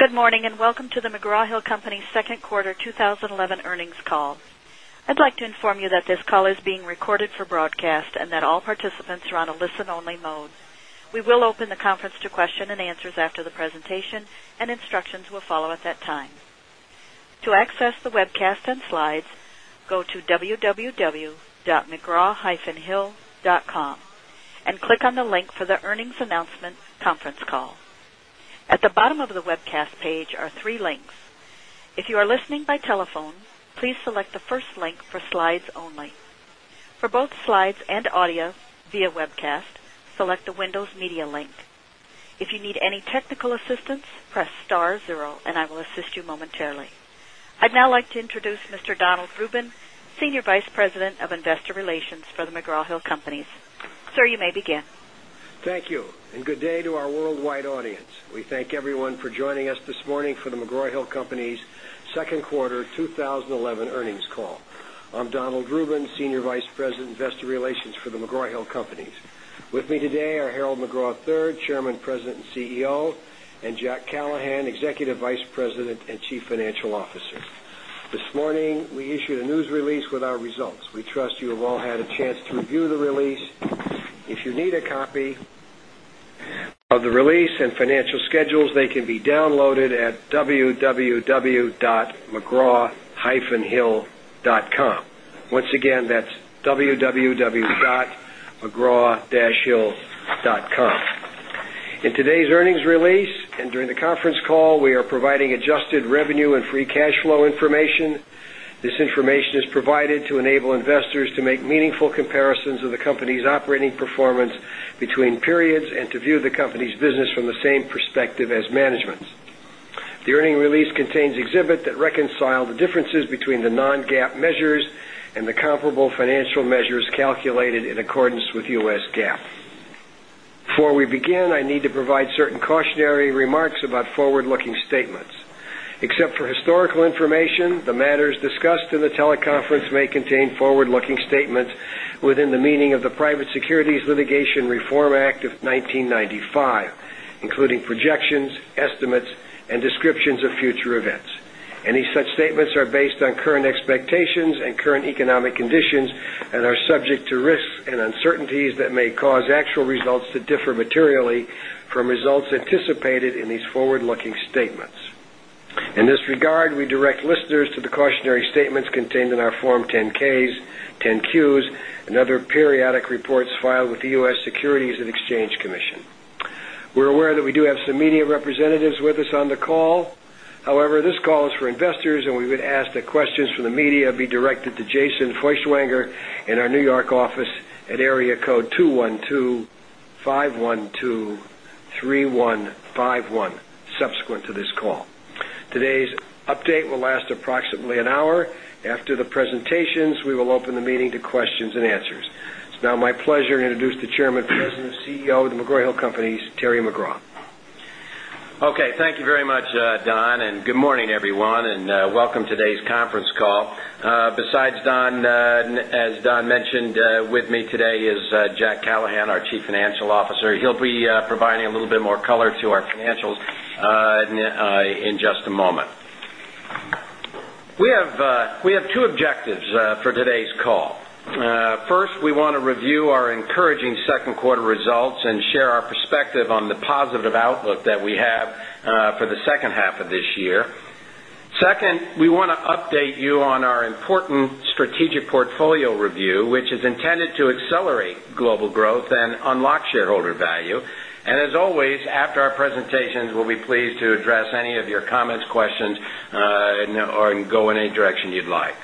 Good morning and welcome to The McGraw Hill Companies' Second Quarter 2011 Earnings Call. I'd like to inform you that this call is being recorded for broadcast and that all participants are on a listen-only mode. We will open the conference to questions and answers after the presentation, and instructions will follow at that time. To access the webcast and slides, go to www.mcgraw-hill.com and click on the link for the earnings announcement conference call. At the bottom of the webcast page are three links. If you are listening by telephone, please select the first link for slides only. For both slides and audio via webcast, select the Windows Media link. If you need any technical assistance, press star zero and I will assist you momentarily. I'd now like to introduce Mr. Donald Rubin, Senior Vice President of Investor Relations for The McGraw Hill Companies. Sir, you may begin. Thank you and good day to our worldwide audience. We thank everyone for joining us this morning for The McGraw Hill Companies' Second Quarter 2011 Earnings Call. I'm Donald Rubin, Senior Vice President of Investor Relations for The McGraw Hill Companies. With me today are Harold McGraw III, Chairman, President and CEO, and Jack Callahan, Executive Vice President and Chief Financial Officer. This morning we issued a news release with our results. We trust you have all had a chance to review the release. If you need a copy of the release and financial schedules, they can be downloaded at www.mcgraw-hill.com. Once again, that's www.mcgraw-hill.com. In today's earnings release and during the conference call, we are providing adjusted revenue and free cash flow information. This information is provided to enable investors to make meaningful comparisons of the company's operating performance between periods and to view the company's business from the same perspective as management. The earnings release contains exhibits that reconcile the differences between the non-GAAP measures and the comparable financial measures calculated in accordance with US GAAP. Before we begin, I need to provide certain cautionary remarks about forward-looking statements. Except for historical information, the matters discussed in the teleconference may contain forward-looking statements within the meaning of the Private Securities Litigation Reform Act of 1995, including projections, estimates, and descriptions of future events. Any such statements are based on current expectations and current economic conditions and are subject to risks and uncertainties that may cause actual results to differ materially from results anticipated in these forward-looking statements. In this regard, we direct listeners to the cautionary statements contained in our Form 10-Ks, 10-Qs, and other periodic reports filed with the US Securities and Exchange Commission. We're aware that we do have some media representatives with us on the call. However, this call is for investors, and we would ask that questions from the media be directed to Jason Feuchtwanger in our New York office at area code 212-512-3151 subsequent to this call. Today's update will last approximately an hour. After the presentations, we will open the meeting to questions and answers. It's now my pleasure to introduce the Chairman, President and CEO of The McGraw Hill Companies, Harold McGraw. Okay, thank you very much, Don, and good morning everyone, and welcome to today's conference call. Besides Don, as Don mentioned, with me today is Jack Callahan, our Chief Financial Officer. He'll be providing a little bit more color to our financials in just a moment. We have two objectives for today's call. First, we want to review our encouraging second quarter results and share our perspective on the positive outlook that we have for the second half of this year. Second, we want to update you on our important strategic portfolio review, which is intended to accelerate global growth and unlock shareholder value. As always, after our presentations, we'll be pleased to address any of your comments, questions, and go in any direction you'd like.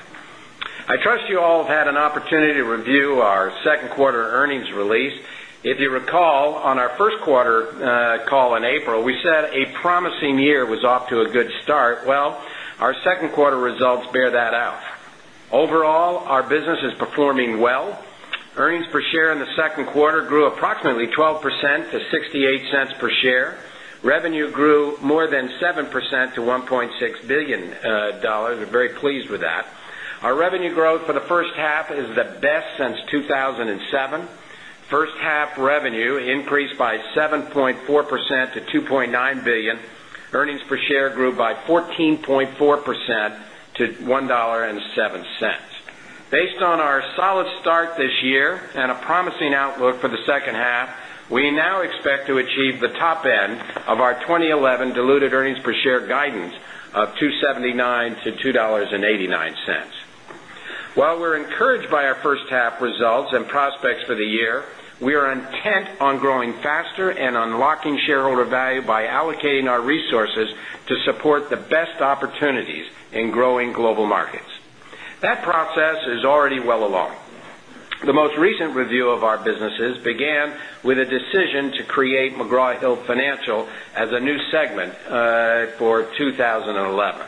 I trust you all have had an opportunity to review our second quarter earnings release. If you recall, on our First Quarter call in April, we said a promising year was off to a good start. Our second quarter results bear that out. Overall, our business is performing well. Earnings per share in the second quarter grew approximately 12% to $0.68 per share. Revenue grew more than 7% to $1.6 billion. We're very pleased with that. Our revenue growth for the first half is the best since 2007. First half revenue increased by 7.4% to $2.9 billion. Earnings per share grew by 14.4% to $1.07. Based on our solid start this year and a promising outlook for the second half, we now expect to achieve the top end of our 2011 diluted earnings per share guidance of $2.79-$2.89. While we're encouraged by our first half results and prospects for the year, we are intent on growing faster and unlocking shareholder value by allocating our resources to support the best opportunities in growing global markets. That process is already well along. The most recent review of our businesses began with a decision to create McGraw Hill Financial as a new segment for 2011.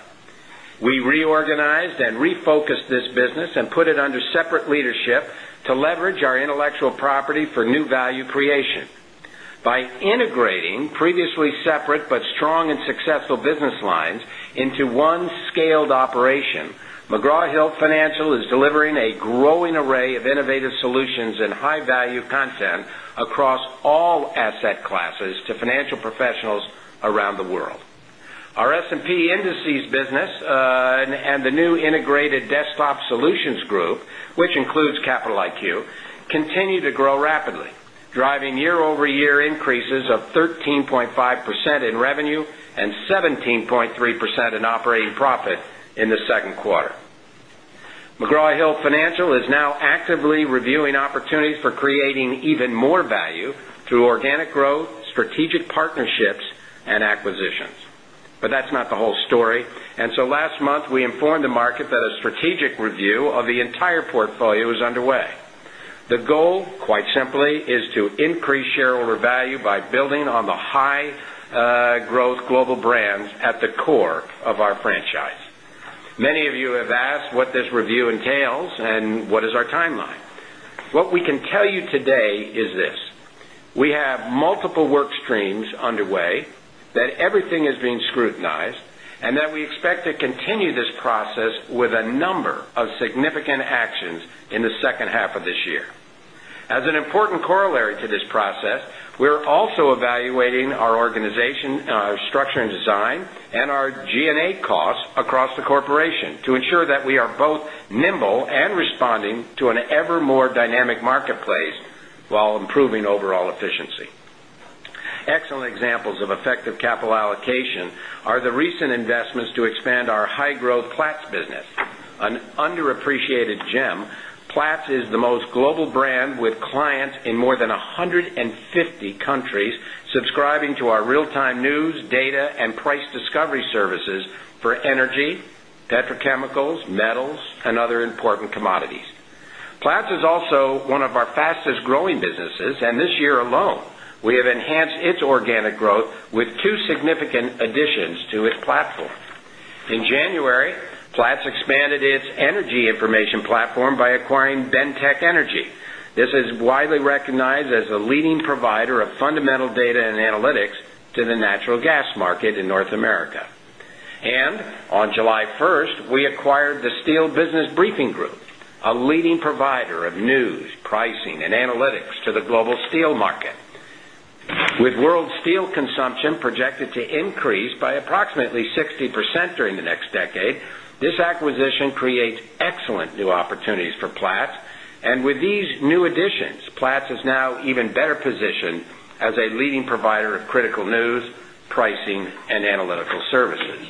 We reorganized and refocused this business and put it under separate leadership to leverage our intellectual property for new value creation. By integrating previously separate but strong and successful business lines into one scaled operation, McGraw Hill Financial is delivering a growing array of innovative solutions and high-value content across all asset classes to financial professionals around the world. Our S&P indices business and the new integrated desktop solutions group, which includes Capital IQ, continue to grow rapidly, driving year-over-year increases of 13.5% in revenue and 17.3% in operating profit in the second quarter. McGraw Hill Financial is now actively reviewing opportunities for creating even more value through organic growth, strategic partnerships, and acquisitions. That is not the whole story. Last month, we informed the market that a strategic review of the entire portfolio is underway. The goal, quite simply, is to increase shareholder value by building on the high-growth global brands at the core of our franchise. Many of you have asked what this review entails and what is our timeline. What we can tell you today is this: we have multiple work streams underway, that everything is being scrutinized, and that we expect to continue this process with a number of significant actions in the second half of this year. As an important corollary to this process, we're also evaluating our organization, our structure and design, and our G&A costs across the corporation to ensure that we are both nimble and responding to an ever-more dynamic marketplace while improving overall efficiency. Excellent examples of effective capital allocation are the recent investments to expand our high-growth Platts business, an underappreciated gem. Platts is the most global brand with clients in more than 150 countries subscribing to our real-time news, data, and price discovery services for energy, petrochemicals, metals, and other important commodities. Platts is also one of our fastest growing businesses, and this year alone, we have enhanced its organic growth with two significant additions to its platform. In January, Platts expanded its energy information platform by acquiring Bentech Energy. This is widely recognized as a leading provider of fundamental data and analytics to the natural gas market in North America. On July 1st, we acquired the Steel Business Briefing Group, a leading provider of news, pricing, and analytics to the global steel market. With world steel consumption projected to increase by approximately 60% during the next decade, this acquisition creates excellent new opportunities for Platts. With these new additions, Platts is now even better positioned as a leading provider of critical news, pricing, and analytical services.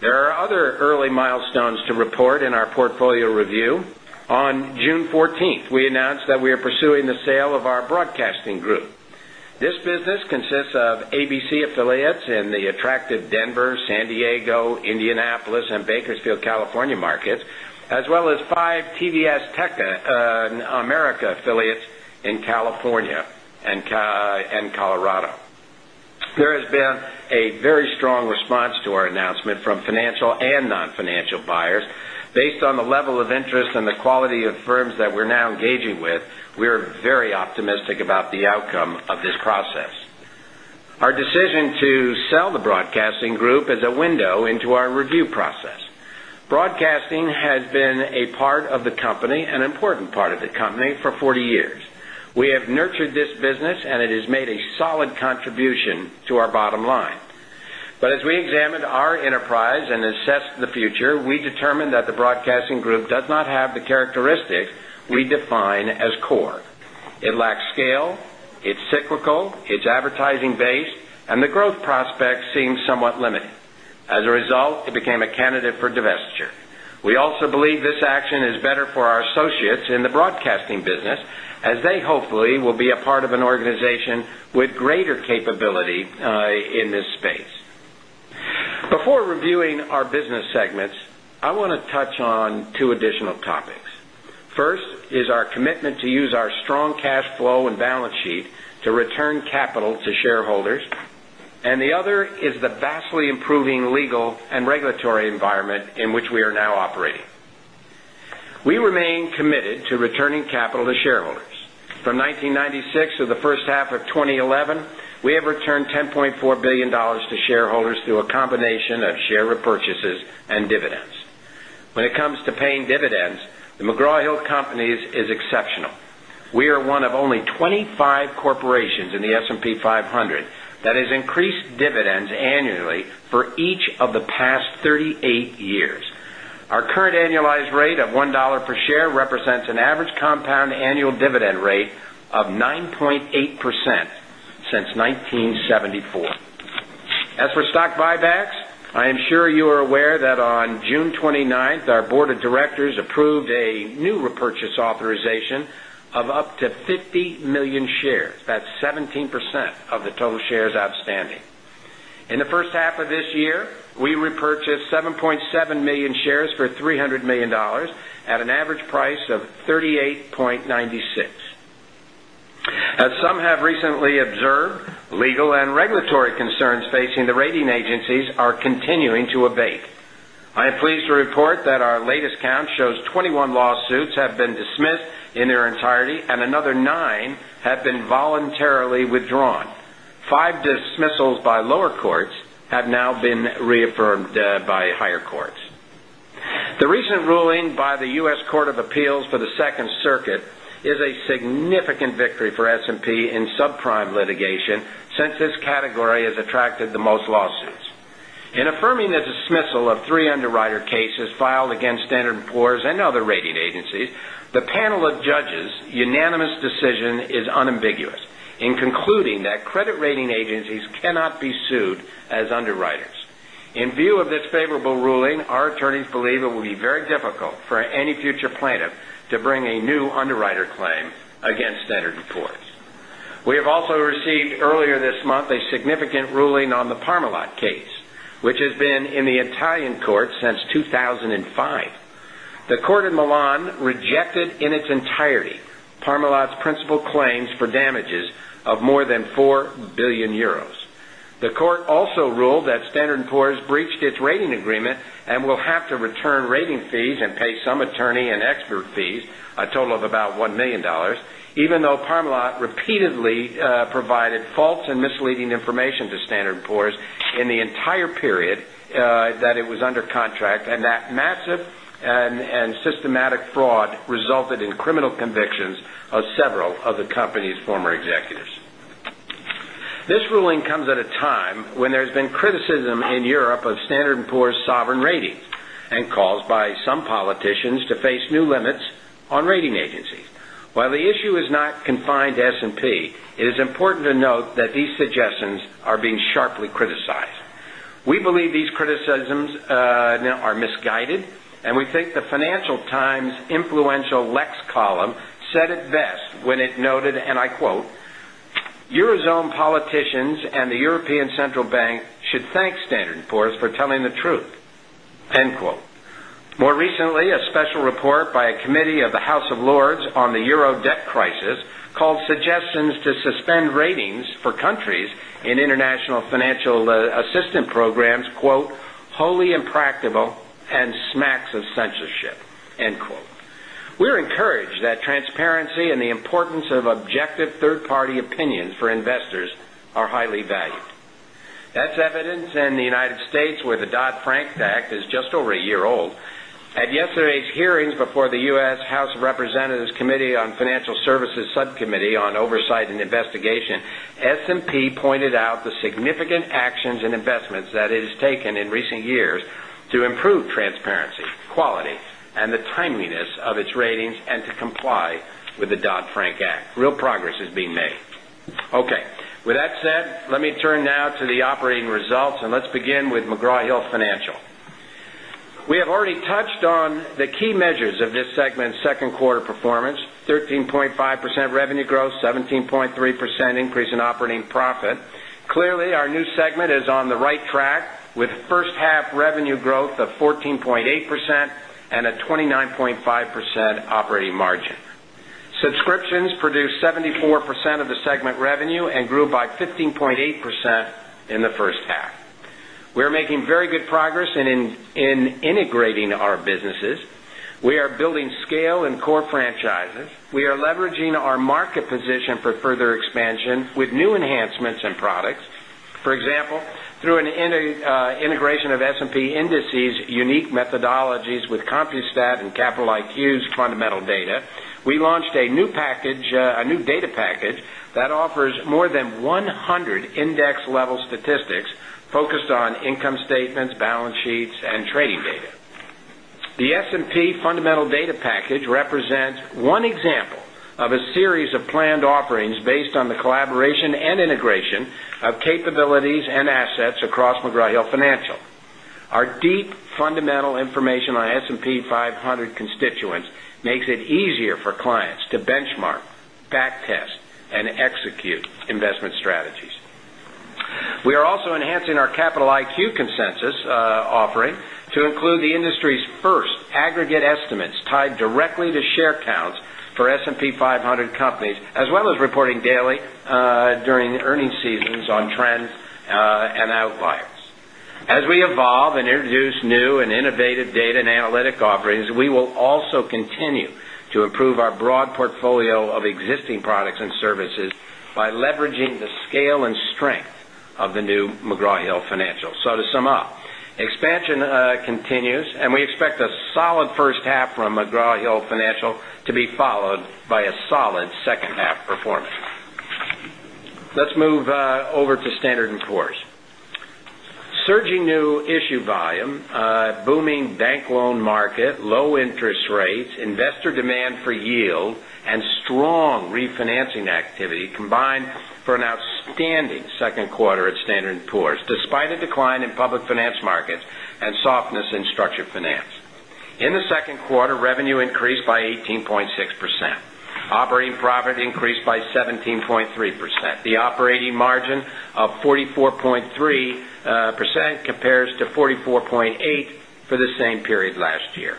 There are other early milestones to report in our portfolio review. On June 14th, we announced that we are pursuing the sale of our broadcasting group. This business consists of ABC affiliates in the attractive Denver, San Diego, Indianapolis, and Bakersfield, California markets, as well as five TVS Tech America affiliates in California and Colorado. There has been a very strong response to our announcement from financial and non-financial buyers. Based on the level of interest and the quality of firms that we're now engaging with, we are very optimistic about the outcome of this process. Our decision to sell the broadcasting group is a window into our review process. Broadcasting has been a part of the company, an important part of the company, for 40 years. We have nurtured this business, and it has made a solid contribution to our bottom line. As we examined our enterprise and assessed the future, we determined that the broadcasting group does not have the characteristics we define as core. It lacks scale, it's cyclical, it's advertising-based, and the growth prospects seem somewhat limited. As a result, it became a candidate for divestiture. We also believe this action is better for our associates in the broadcasting business, as they hopefully will be a part of an organization with greater capability in this space. Before reviewing our business segments, I want to touch on two additional topics. First is our commitment to use our strong cash flow and balance sheet to return capital to shareholders, and the other is the vastly improving legal and regulatory environment in which we are now operating. We remain committed to returning capital to shareholders. From 1996 to the first half of 2011, we have returned $10.4 billion to shareholders through a combination of share repurchases and dividends. When it comes to paying dividends, The McGraw Hill Companies is exceptional. We are one of only 25 corporations in the S&P 500 that has increased dividends annually for each of the past 38 years. Our current annualized rate of $1 per share represents an average compound annual dividend rate of 9.8% since 1974. As for stock buybacks, I am sure you are aware that on June 29th, our board of directors approved a new repurchase authorization of up to 50 million shares, that's 17% of the total shares outstanding. In the first half of this year, we repurchased 7.7 million shares for $300 million at an average price of $38.96. As some have recently observed, legal and regulatory concerns facing the rating agencies are continuing to abate. I am pleased to report that our latest count shows 21 lawsuits have been dismissed in their entirety, and another nine have been voluntarily withdrawn. Five dismissals by lower courts have now been reaffirmed by higher courts. The recent ruling by the US Court of Appeals for the Second Circuit is a significant victory for S&P’s in subprime litigation since this category has attracted the most lawsuits. In affirming the dismissal of three underwriter cases filed against Standard & Poor’s and other rating agencies, the panel of judges' unanimous decision is unambiguous in concluding that credit rating agencies cannot be sued as underwriters. In view of this favorable ruling, our attorneys believe it will be very difficult for any future plaintiff to bring a new underwriter claim against Standard & Poor’s. We have also received earlier this month a significant ruling on the Parmalat case, which has been in the Italian court since 2005. The court in Milan rejected in its entirety Parmalat's principal claims for damages of more than 4 billion euros. The court also ruled that Standard & Poor’s breached its rating agreement and will have to return rating fees and pay some attorney and expert fees, a total of about $1 million, even though Parmalat repeatedly provided false and misleading information to Standard & Poor’s in the entire period that it was under contract and that massive and systematic fraud resulted in criminal convictions of several of the company's former executives. This ruling comes at a time when there's been criticism in Europe of Standard & Poor’s sovereign ratings and calls by some politicians to face new limits on rating agencies. While the issue is not confined to S&P’s, it is important to note that these suggestions are being sharply criticized. We believe these criticisms are misguided, and we think the Financial Times' influential Lex column said it best when it noted, and I quote, "Eurozone politicians and the European Central Bank should thank Standard & Poor’s for telling the truth." More recently, a special report by a committee of the House of Lords on the Euro debt crisis called suggestions to suspend ratings for countries in international financial assistance programs, quote, "wholly impractical and smacks of censorship." We're encouraged that transparency and the importance of objective third-party opinions for investors are highly valued. That's evidenced in the United States, where the Dodd-Frank Act is just over a year old. At yesterday's hearings before the U.S. House of Representatives Committee on Financial Services Subcommittee on Oversight and Investigation, S&P’s pointed out the significant actions and investments that it has taken in recent years to improve transparency, quality, and the timeliness of its ratings and to comply with the Dodd-Frank Act. Real progress is being made. With that said, let me turn now to the operating results, and let's begin with McGraw Hill Financial. We have already touched on the key measures of this segment's second quarter performance: 13.5% revenue growth, 17.3% increase in operating profit. Clearly, our new segment is on the right track with first-half revenue growth of 14.8% and a 29.5% operating margin. Subscriptions produced 74% of the segment revenue and grew by 15.8% in the first half. We're making very good progress in integrating our businesses. We are building scale and core franchises. We are leveraging our market position for further expansion with new enhancements and products. For example, through an integration of S&P indices' unique methodologies with Compustat and Capital IQ's fundamental data, we launched a new package, a new data package that offers more than 100 index-level statistics focused on income statements, balance sheets, and trading data. The S&P fundamental data package represents one example of a series of planned offerings based on the collaboration and integration of capabilities and assets across McGraw Hill Financial. Our deep fundamental information on S&P 500 constituents makes it easier for clients to benchmark, backtest, and execute investment strategies. We are also enhancing our Capital IQ consensus offering to include the industry's first aggregate estimates tied directly to share counts for S&P 500 companies, as well as reporting daily during earnings seasons on trends and outliers. As we evolve and introduce new and innovative data and analytic offerings, we will also continue to improve our broad portfolio of existing products and services by leveraging the scale and strength of the new McGraw Hill Financial. To sum up, expansion continues, and we expect a solid first half from McGraw Hill Financial to be followed by a solid second half performance. Let's move over to Standard & Poor's. Surging new issue volume, booming bank loan market, low interest rates, investor demand for yield, and strong refinancing activity combine for an outstanding second quarter at Standard & Poor's, despite a decline in public finance markets and softness in structured finance. In the second quarter, revenue increased by 18.6%. Operating profit increased by 17.3%. The operating margin of 44.3% compares to 44.8% for the same period last year.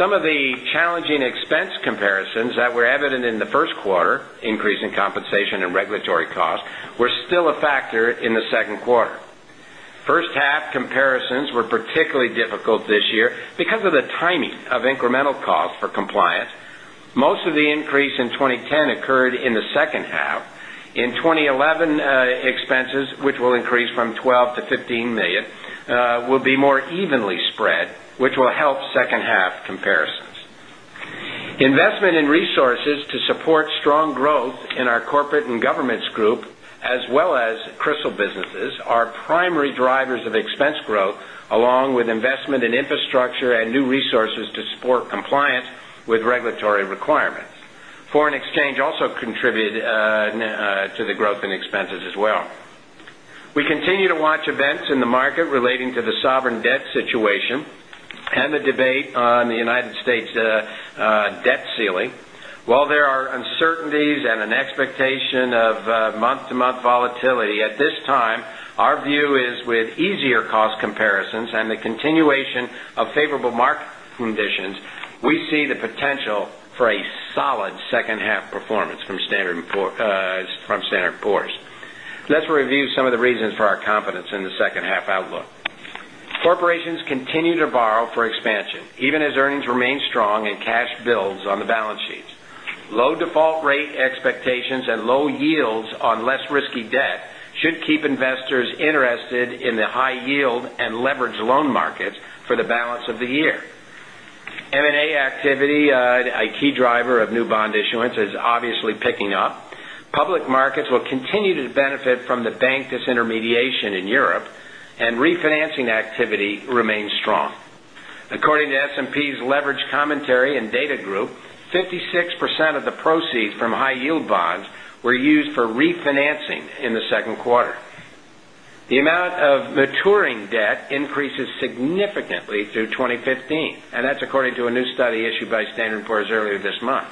Some of the challenging expense comparisons that were evident in the first quarter, increase in compensation and regulatory costs, were still a factor in the second quarter. First half comparisons were particularly difficult this year because of the timing of incremental costs for compliance. Most of the increase in 2010 occurred in the second half. In 2011, expenses, which will increase from $12 million-$15 million, will be more evenly spread, which will help second half comparisons. Investment in resources to support strong growth in our corporate and governments group, as well as CRISIL businesses, are primary drivers of expense growth, along with investment in infrastructure and new resources to support compliance with regulatory requirements. Foreign exchange also contributed to the growth in expenses as well. We continue to watch events in the market relating to the sovereign debt situation and the debate on the United States' debt ceiling. While there are uncertainties and an expectation of month-to-month volatility, at this time, our view is with easier cost comparisons and the continuation of favorable market conditions, we see the potential for a solid second half performance from Standard & Poor's. Let's review some of the reasons for our confidence in the second half outlook. Corporations continue to borrow for expansion, even as earnings remain strong and cash builds on the balance sheets. Low default rate expectations and low yields on less risky debt should keep investors interested in the high yield and leveraged loan markets for the balance of the year. M&A activity, a key driver of new bond issuance, is obviously picking up. Public markets will continue to benefit from the bank disintermediation in Europe, and refinancing activity remains strong. According to S&P's Leveraged Commentary and Data group, 56% of the proceeds from high-yield bonds were used for refinancing in the second quarter. The amount of maturing debt increases significantly through 2015, and that's according to a new study issued by Standard & Poor’s earlier this month.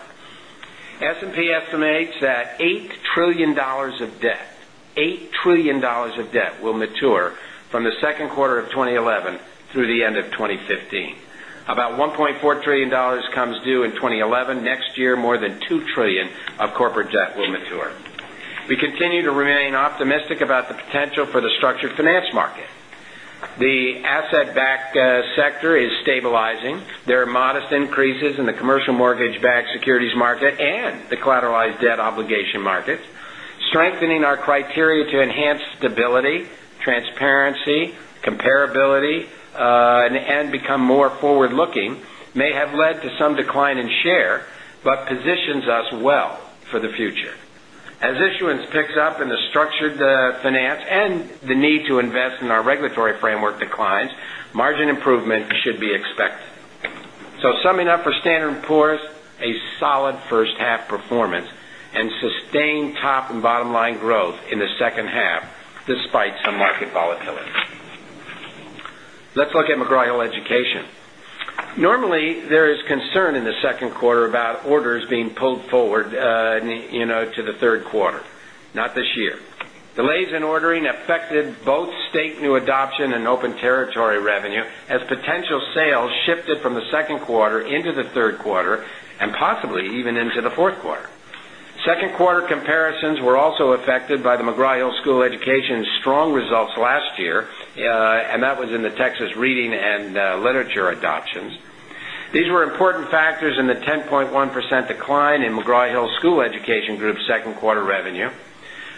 S&P estimates that $8 trillion of debt, $8 trillion of debt will mature from the second quarter of 2011 through the end of 2015. About $1.4 trillion comes due in 2011. Next year, more than $2 trillion of corporate debt will mature. We continue to remain optimistic about the potential for the structured finance market. The asset-backed sector is stabilizing. There are modest increases in the commercial mortgage-backed securities market and the collateralized debt obligation markets. Strengthening our criteria to enhance stability, transparency, comparability, and become more forward-looking may have led to some decline in share, but positions us well for the future. As issuance picks up in the structured finance and the need to invest in our regulatory framework declines, margin improvement should be expected. Summing up, for Standard & Poor’s, a solid first half performance and sustained top and bottom line growth in the second half, despite some market volatilities. Let's look at McGraw Hill Education. Normally, there is concern in the second quarter about orders being pulled forward to the third quarter, not this year. Delays in ordering affected both state new adoption and open territory revenue, as potential sales shifted from the second quarter into the third quarter and possibly even into the fourth quarter. Second quarter comparisons were also affected by the McGraw Hill School of Education's strong results last year, and that was in the Texas reading and literature adoptions. These were important factors in the 10.1% decline in McGraw Hill School of Education Group's second quarter revenue.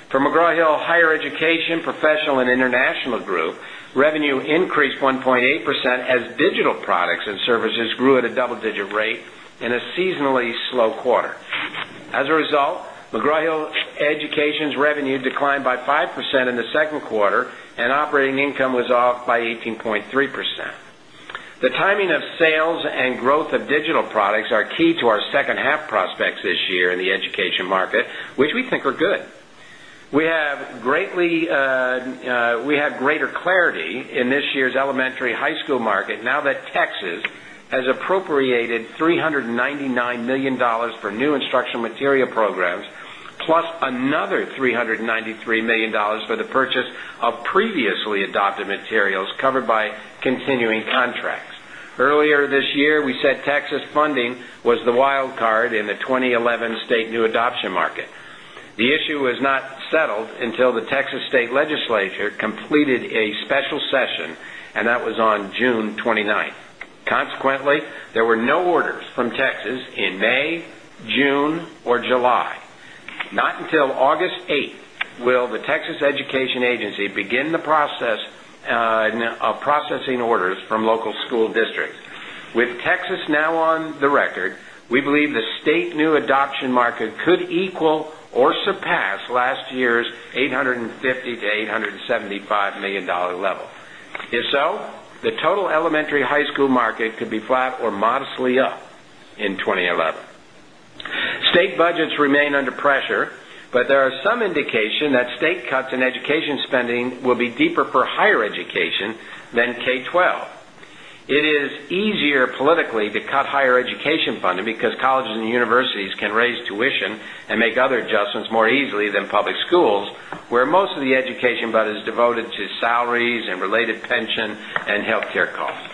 For McGraw Hill Higher Education Professional and International Group, revenue increased 1.8% as digital products and services grew at a double-digit rate in a seasonally slow quarter. As a result, McGraw Hill Education's revenue declined by 5% in the second quarter, and operating income was off by 18.3%. The timing of sales and growth of digital products are key to our second half prospects this year in the education market, which we think are good. We have greater clarity in this year's elementary high school market now that Texas has appropriated $399 million for new instructional material programs, plus another $393 million for the purchase of previously adopted materials covered by continuing contracts. Earlier this year, we said Texas funding was the wild card in the 2011 state new adoption market. The issue was not settled until the Texas state legislature completed a special session, and that was on June 29. Consequently, there were no orders from Texas in May, June, or July. Not until August 8 will the Texas Education Agency begin the process of processing orders from local school districts. With Texas now on the record, we believe the state new adoption market could equal or surpass last year's $850 million-$875 million level. If so, the total elementary high school market could be flat or modestly up in 2011. State budgets remain under pressure, but there are some indications that state cuts in education spending will be deeper for higher education than K-12. It is easier politically to cut higher education funding because colleges and universities can raise tuition and make other adjustments more easily than public schools, where most of the education budget is devoted to salaries and related pension and healthcare costs.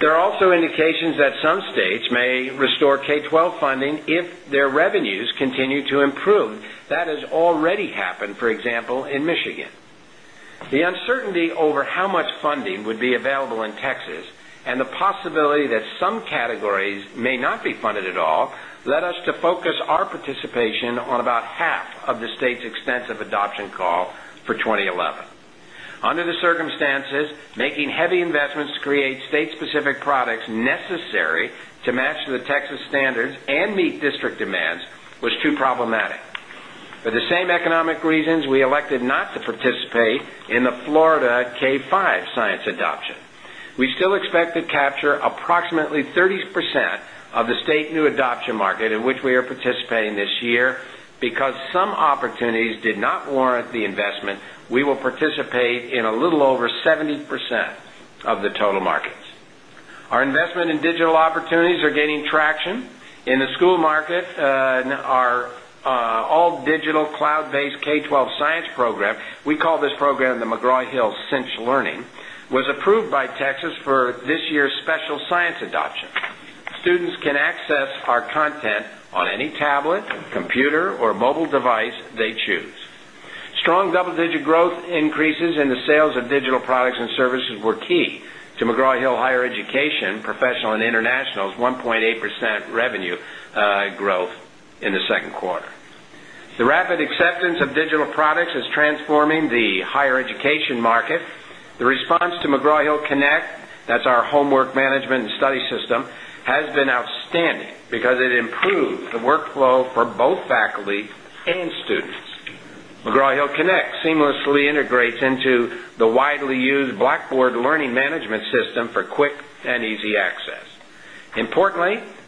There are also indications that some states may restore K-12 funding if their revenues continue to improve. That has already happened, for example, in Michigan. The uncertainty over how much funding would be available in Texas and the possibility that some categories may not be funded at all led us to focus our participation on about half of the state's extensive adoption call for 2011. Under the circumstances, making heavy investments to create state-specific products necessary to match the Texas standards and meet district demands was too problematic. For the same economic reasons, we elected not to participate in the Florida K-5 science adoption. We still expect to capture approximately 30% of the state new adoption market in which we are participating this year because some opportunities did not warrant the investment. We will participate in a little over 70% of the total markets. Our investment in digital opportunities is gaining traction in the school market. Our all-digital cloud-based K-12 science program, we call this program CINCH Learning, was approved by Texas for this year's special science adoption. Students can access our content on any tablet, computer, or mobile device they choose. Strong double-digit growth increases in the sales of digital products and services were key to McGraw Hill Higher Education Professional and International's 1.8% revenue growth in the second quarter. The rapid acceptance of digital products is transforming the higher education market. The response to Connect, that's our homework management and study system, has been outstanding because it improves the workflow for both faculty and students. Connect seamlessly integrates into the widely used Blackboard Learning Management System for quick and easy access.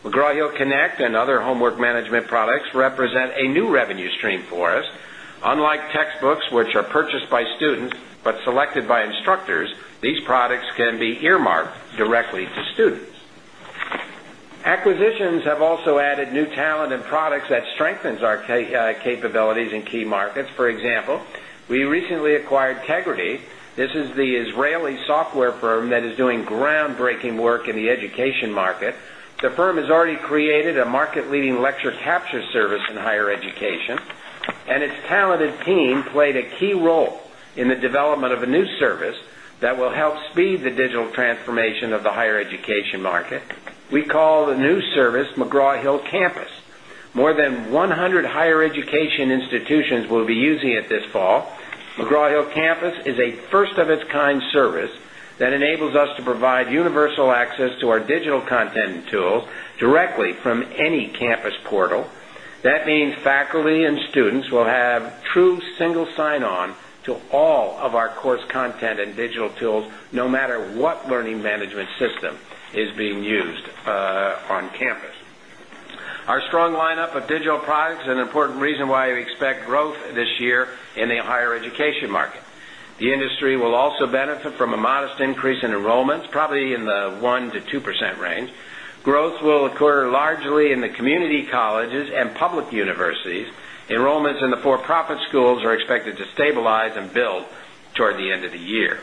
Importantly, Connect and other homework management products represent a new revenue stream for us. Unlike textbooks, which are purchased by students but selected by instructors, these products can be earmarked directly to students. Acquisitions have also added new talent and products that strengthen our capabilities in key markets. For example, we recently acquired Tegrity. This is the Israeli software firm that is doing groundbreaking work in the education market. The firm has already created a market-leading lecture capture service in higher education, and its talented team played a key role in the development of a new service that will help speed the digital transformation of the higher education market. We call the new service McGraw Hill Campus. More than 100 higher education institutions will be using it this fall. McGraw Hill Campus is a first-of-its-kind service that enables us to provide universal access to our digital content and tools directly from any campus portal. That means faculty and students will have true single sign-on to all of our course content and digital tools, no matter what learning management system is being used on campus. Our strong lineup of digital products is an important reason why we expect growth this year in the higher education market. The industry will also benefit from a modest increase in enrollments, probably in the 1%-2% range. Growth will occur largely in the community colleges and public universities. Enrollments in the for-profit schools are expected to stabilize and build toward the end of the year.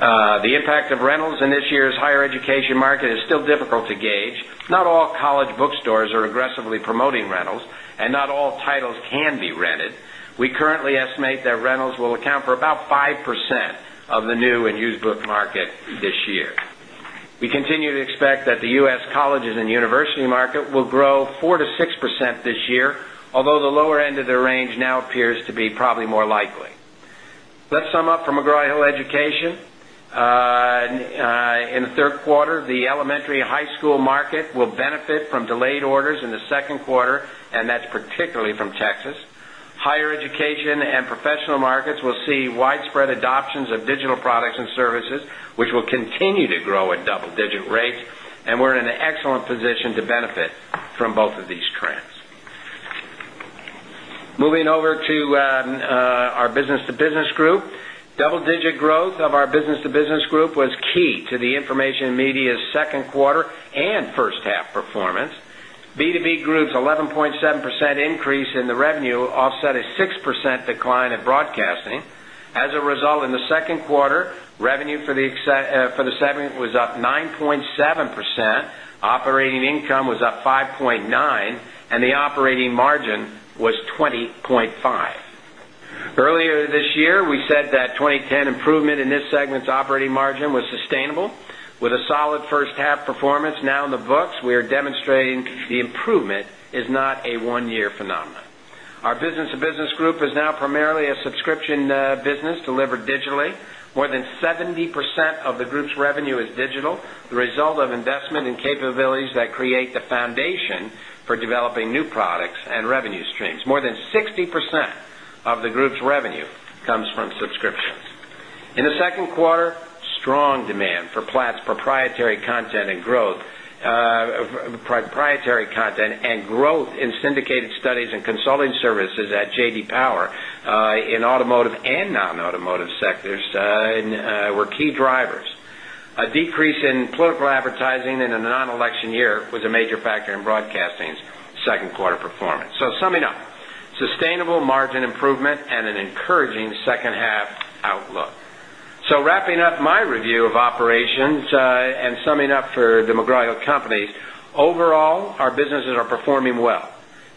The impact of rentals in this year's higher education market is still difficult to gauge. Not all college bookstores are aggressively promoting rentals, and not all titles can be rented. We currently estimate that rentals will account for about 5% of the new and used book market this year. We continue to expect that the US colleges and university market will grow 4% to 6% this year, although the lower end of the range now appears to be probably more likely. Let's sum up for McGraw Hill Education. In the third quarter, the elementary high school market will benefit from delayed orders in the second quarter, and that's particularly from Texas. Higher education and professional markets will see widespread adoptions of digital products and services, which will continue to grow at double-digit rates, and we're in an excellent position to benefit from both of these trends. Moving over to our Business-to-Business group, double-digit growth of our Business-to-Business group was key to the information media's second quarter and first half performance. B2B group's 11.7% increase in the revenue offset a 6% decline in broadcasting. As a result, in the second quarter, revenue for the segment was up 9.7%, operating income was up 5.9%, and the operating margin was 20.5%. Earlier this year, we said that 2010 improvement in this segment's operating margin was sustainable, with a solid first half performance now in the books. We are demonstrating the improvement is not a one-year phenomenon. Our Business-to-Business group is now primarily a subscription business delivered digitally. More than 70% of the group's revenue is digital, the result of investment in capabilities that create the foundation for developing new products and revenue streams. More than 60% of the group's revenue comes from subscriptions. In the second quarter, strong demand for Platts' proprietary content and growth in syndicated studies and consulting services at J.D. Power in automotive and non-automotive sectors were key drivers. A decrease in political advertising in a non-election year was a major factor in broadcasting's second quarter performance. Summing up, sustainable margin improvement and an encouraging second half outlook. Wrapping up my review of operations and summing up for McGraw Hill Companies, overall, our businesses are performing well.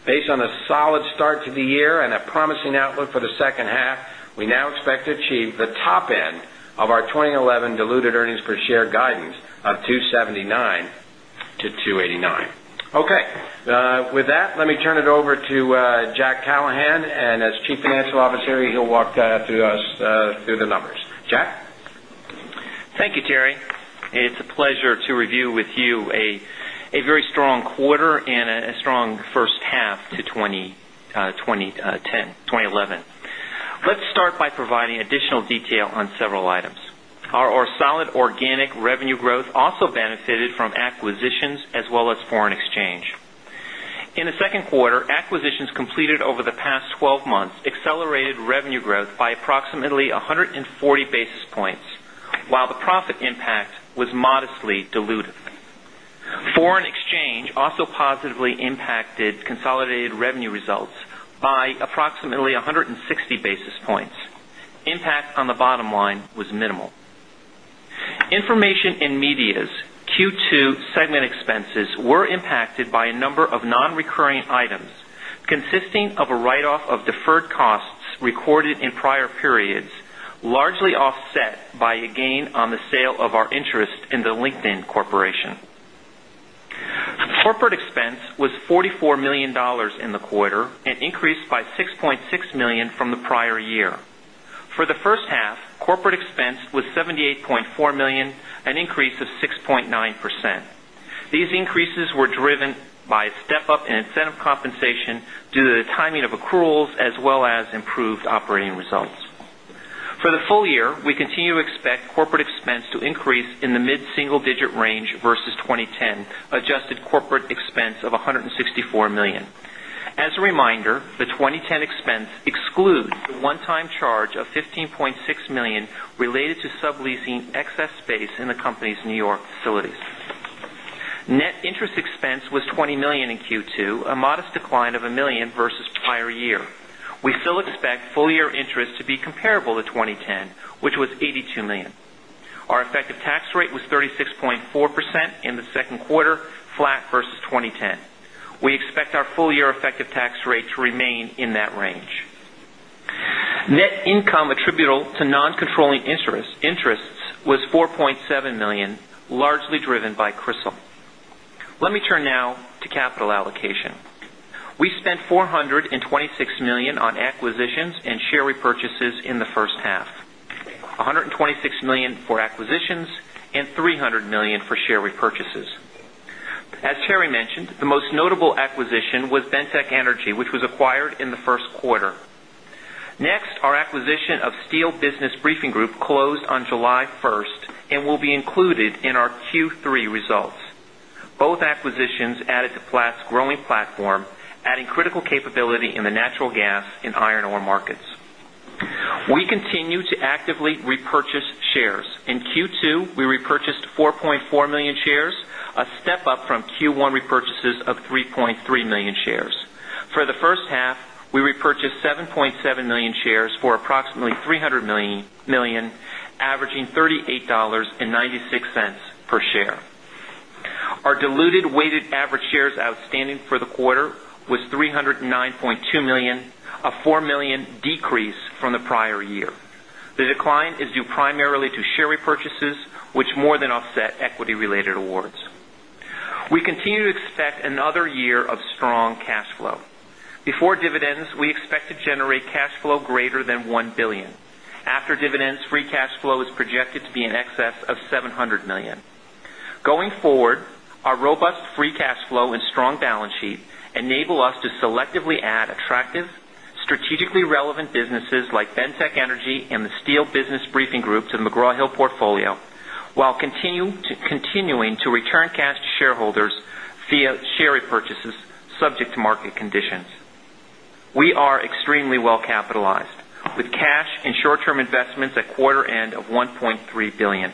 Based on a solid start to the year and a promising outlook for the second half, we now expect to achieve the top end of our 2011 diluted earnings per share guidance of $2.79-$2.89. With that, let me turn it over to Jack Callahan, and as Chief Financial Officer, he'll walk us through the numbers. Jack? Thank you, Terry. It's a pleasure to review with you a very strong quarter and a strong first half to 2010, 2011. Let's start by providing additional detail on several items. Our solid organic revenue growth also benefited from acquisitions as well as foreign exchange. In the second quarter, acquisitions completed over the past 12 months accelerated revenue growth by approximately 140 basis points, while the profit impact was modestly dilutive. Foreign exchange also positively impacted consolidated revenue results by approximately 160 basis points. Impact on the bottom line was minimal. Information and Media's Q2 segment expenses were impacted by a number of non-recurring items consisting of a write-off of deferred costs recorded in prior periods, largely offset by a gain on the sale of our interest in the LinkedIn Corporation. Corporate expense was $44 million in the quarter and increased by $6.6 million from the prior year. For the first half, corporate expense was $78.4 million, an increase of 6.9%. These increases were driven by a step-up in incentive compensation due to the timing of accruals as well as improved operating results. For the full year, we continue to expect corporate expense to increase in the mid-single-digit range versus 2010 adjusted corporate expense of $164 million. As a reminder, the 2010 expense excludes the one-time charge of $15.6 million related to subleasing excess space in the company's New York facilities. Net interest expense was $20 million in Q2, a modest decline of $1 million versus prior year. We still expect full-year interest to be comparable to 2010, which was $82 million. Our effective tax rate was 36.4% in the second quarter, flat versus 2010. We expect our full-year effective tax rate to remain in that range. Net income attributable to non-controlling interests was $4.7 million, largely driven by Crystal. Let me turn now to capital allocation. We spent $426 million on acquisitions and share repurchases in the first half, $126 million for acquisitions and $300 million for share repurchases. As Terry mentioned, the most notable acquisition was Bentech Energy, which was acquired in the First Quarter. Next, our acquisition of Steel Business Briefing Group closed on July 1st and will be included in our Q3 results. Both acquisitions added to Platts' growing platform, adding critical capability in the natural gas and iron ore markets. We continue to actively repurchase shares. In Q2, we repurchased 4.4 million shares, a step-up from Q1 repurchases of 3.3 million shares. For the first half, we repurchased 7.7 million shares for approximately $300 million, averaging $38.96 per share. Our diluted weighted average shares outstanding for the quarter was 309.2 million, a 4 million decrease from the prior year. The decline is due primarily to share repurchases, which more than offset equity-related awards. We continue to expect another year of strong cash flow. Before dividends, we expect to generate cash flow greater than $1 billion. After dividends, free cash flow is projected to be in excess of $700 million. Going forward, our robust free cash flow and strong balance sheet enable us to selectively add attractive, strategically relevant businesses like Bentech Energy and the Steel Business Briefing Group to the McGraw Hill portfolio, while continuing to return cash to shareholders via share repurchases subject to market conditions. We are extremely well capitalized, with cash and short-term investments at quarter end of $1.3 billion.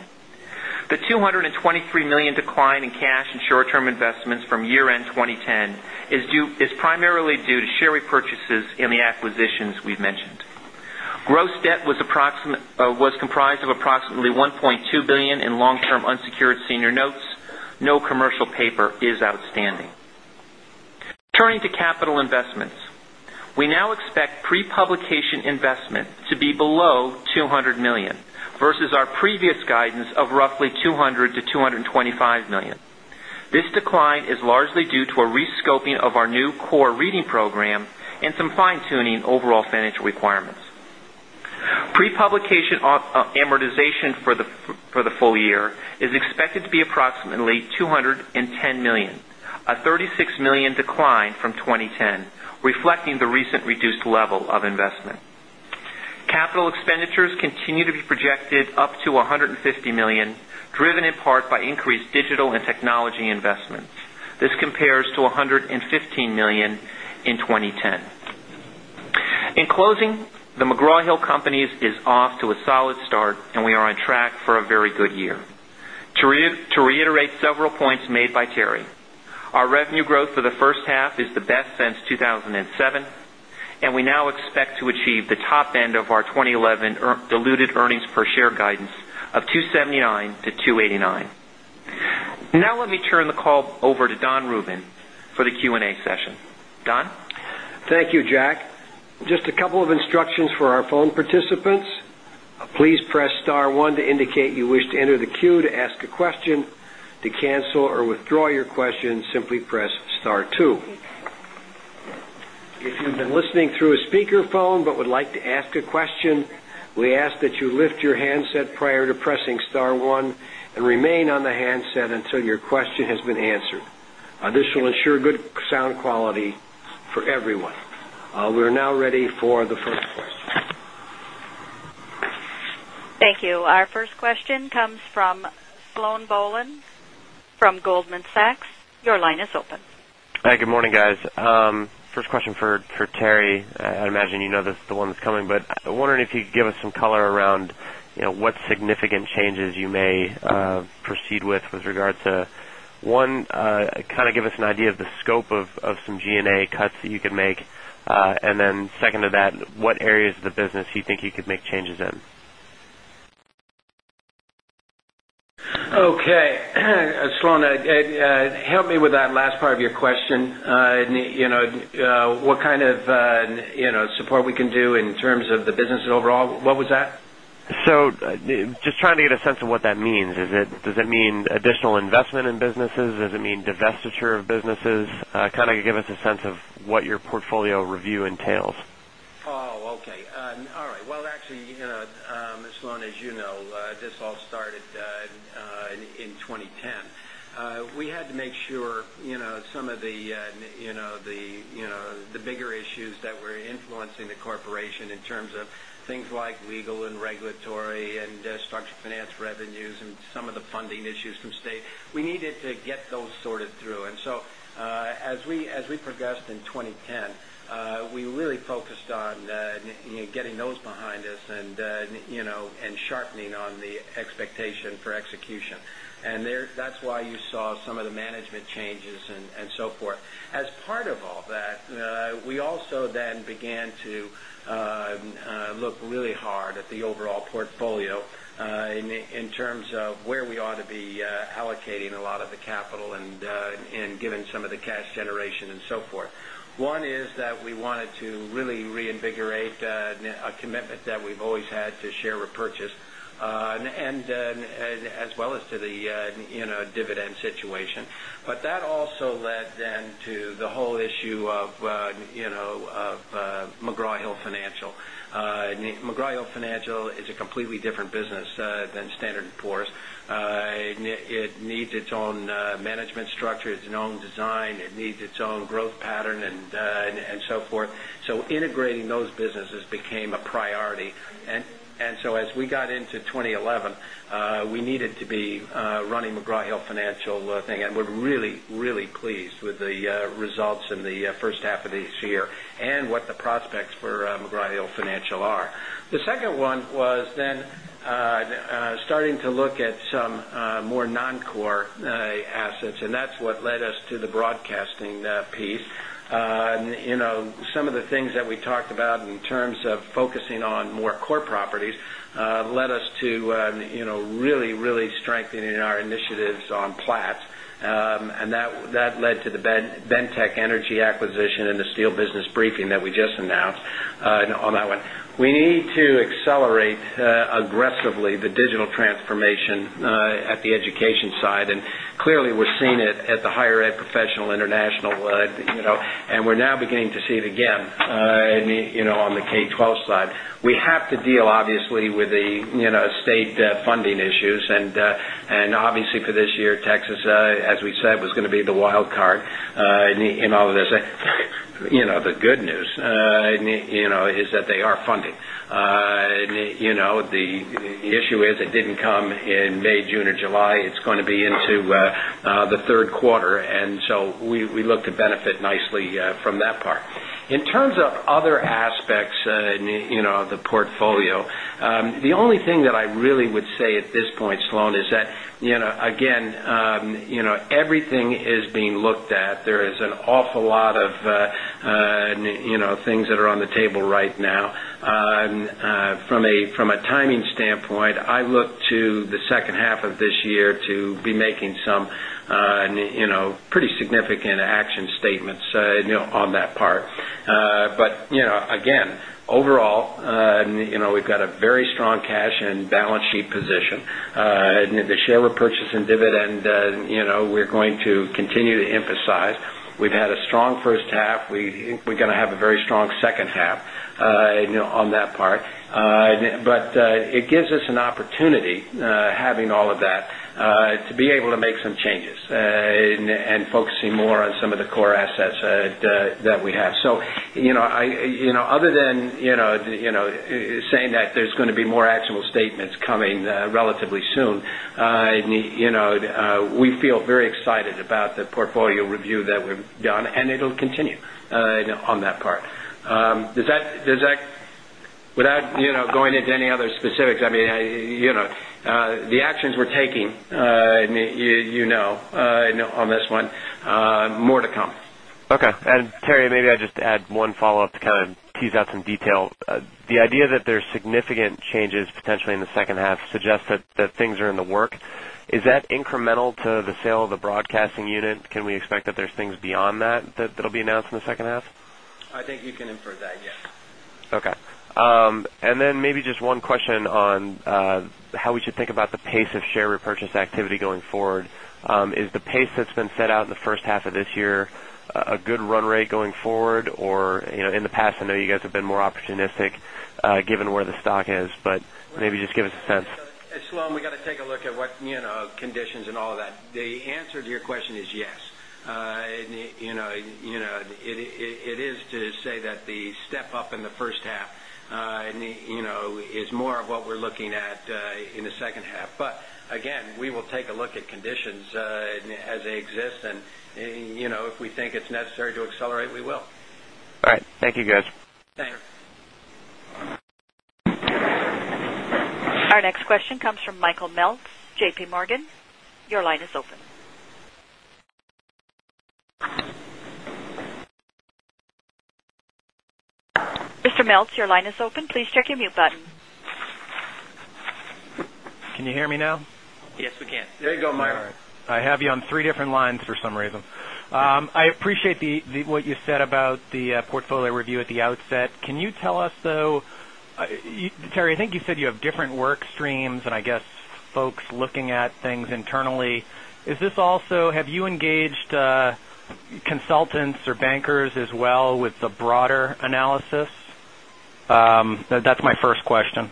The $223 million decline in cash and short-term investments from year-end 2010 is primarily due to share repurchases and the acquisitions we've mentioned. Gross debt was comprised of approximately $1.2 billion in long-term unsecured senior notes. No commercial paper is outstanding. Turning to capital investments, we now expect pre-publication investment to be below $200 million versus our previous guidance of roughly $200 million-$225 million. This decline is largely due to a rescoping of our new core reading program and some fine-tuning overall financial requirements. Pre-publication amortization for the full year is expected to be approximately $210 million, a $36 million decline from 2010, reflecting the recent reduced level of investment. Capital expenditures continue to be projected up to $150 million, driven in part by increased digital and technology investments. This compares to $115 million in 2010. In closing, The McGraw Hill Companies is off to a solid start, and we are on track for a very good year. To reiterate several points made by Terry, our revenue growth for the first half is the best since 2007, and we now expect to achieve the top end of our 2011 diluted earnings per share guidance of $2.79-$2.89. Now let me turn the call over to Don Rubin for the Q&A session. Don. Thank you, Jack. Just a couple of instructions for our phone participants. Please press star one to indicate you wish to enter the queue to ask a question. To cancel or withdraw your question, simply press star two. If you've been listening through a speakerphone but would like to ask a question, we ask that you lift your handset prior to pressing star one and remain on the handset until your question has been answered. This will ensure good sound quality for everyone. We are now ready for the first question. Thank you. Our first question comes from Sloan Bohlen from Goldman Sachs. Your line is open. Good morning, guys. First question for Terry. I imagine you know this is the one that's coming, but I'm wondering if you could give us some color around what significant changes you may proceed with with regard to, one, kind of give us an idea of the scope of some G&A cuts that you could make, and then second to that, what areas of the business you think you could make changes in. Okay. Sloan, help me with that last part of your question. What kind of support we can do in terms of the business overall? What was that? Just trying to get a sense of what that means. Does it mean additional investment in businesses? Does it mean divestiture of businesses? Kind of give us a sense of what your portfolio review entails. Oh, okay. All right. Actually, you know, Sloan, as you know, this all started in 2010. We had to make sure some of the bigger issues that were influencing the corporation in terms of things like legal and regulatory and structured finance revenues and some of the funding issues from state, we needed to get those sorted through. As we progressed in 2010, we really focused on getting those behind us and sharpening on the expectation for execution. That's why you saw some of the management changes and so forth. As part of all that, we also then began to look really hard at the overall portfolio in terms of where we ought to be allocating a lot of the capital and given some of the cash generation and so forth. One is that we wanted to really reinvigorate a commitment that we've always had to share repurchase, as well as to the dividend situation. That also led then to the whole issue of McGraw Hill Financial. McGraw Hill Financial is a completely different business than Standard & Poor’s. It needs its own management structure, its own design. It needs its own growth pattern and so forth. Integrating those businesses became a priority. As we got into 2011, we needed to be running McGraw Hill Financial, and we're really, really pleased with the results in the first half of this year and what the prospects for McGraw Hill Financial are. The second one was then starting to look at some more non-core assets, and that's what led us to the broadcasting piece. Some of the things that we talked about in terms of focusing on more core properties led us to really, really strengthening our initiatives on Platts, and that led to the Bentech Energy acquisition and the Steel Business Briefing that we just announced on that one. We need to accelerate aggressively the digital transformation at the education side, and clearly we're seeing it at the higher ed professional international, and we're now beginning to see it again on the K-12 side. We have to deal, obviously, with the state funding issues, and obviously for this year, Texas, as we said, was going to be the wild card in all of this. The good news is that they are funded. The issue is it didn't come in May, June, or July. It's going to be into the third quarter, and we look to benefit nicely from that part. In terms of other aspects of the portfolio, the only thing that I really would say at this point, Sloan, is that, again, everything is being looked at. There is an awful lot of things that are on the table right now. From a timing standpoint, I look to the second half of this year to be making some pretty significant action statements on that part. Again, overall, we've got a very strong cash and balance sheet position. The share repurchase and dividend, we're going to continue to emphasize. We've had a strong first half. We think we're going to have a very strong second half on that part. It gives us an opportunity, having all of that, to be able to make some changes and focusing more on some of the core assets that we have. Other than saying that there's going to be more actionable statements coming relatively soon, we feel very excited about the portfolio review that we've done, and it'll continue on that part. Without going into any other specifics, the actions we're taking, you know, on this one, more to come. Okay. Terry, maybe I just add one follow-up to kind of tease out some detail. The idea that there's significant changes potentially in the second half suggests that things are in the work. Is that incremental to the sale of the broadcasting unit? Can we expect that there's things beyond that that'll be announced in the second half? I think you can infer that, yes. Okay. Maybe just one question on how we should think about the pace of share repurchase activity going forward. Is the pace that's been set out in the first half of this year a good run rate going forward? In the past, I know you guys have been more opportunistic given where the stock is, but maybe just give us a sense. Sloan, we got to take a look at what conditions and all of that. The answer to your question is yes. It is to say that the step-up in the first half is more of what we're looking at in the second half. Again, we will take a look at conditions as they exist, and if we think it's necessary to accelerate, we will. All right. Thank you, guys. Thank you. Our next question comes from Michael Meltz, JPMorgan. Your line is open. Mr. Meltz, your line is open. Please check your mute button. Can you hear me now? Yes, we can. There you go, Mike. I have you on three different lines for some reason. I appreciate what you said about the portfolio review at the outset. Can you tell us, though, Terry, I think you said you have different work streams and I guess folks looking at things internally. Have you engaged consultants or bankers as well with a broader analysis? That's my first question.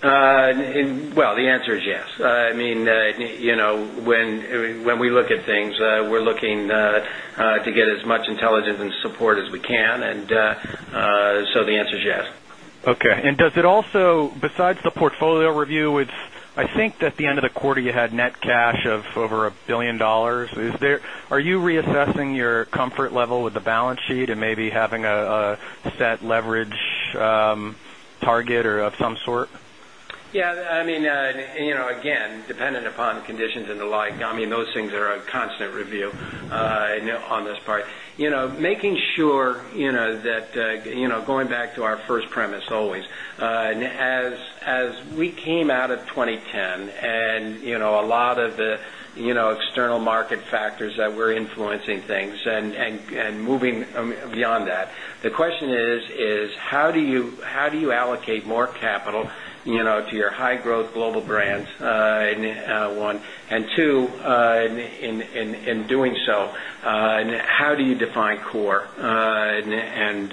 The answer is yes. I mean, when we look at things, we're looking to get as much intelligence and support as we can, and so the answer is yes. Okay. Does it also, besides the portfolio review, at the end of the quarter you had net cash of over $1 billion. Are you reassessing your comfort level with the balance sheet and maybe having a set leverage target of some sort? Yeah. I mean, again, dependent upon the conditions and the like, those things are a constant review on this part. Making sure that, going back to our first premise always, as we came out of 2010 and a lot of the external market factors that were influencing things and moving beyond that, the question is, how do you allocate more capital to your high-growth global brands, one, and two, in doing so, how do you define core and